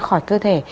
khỏi cơ thể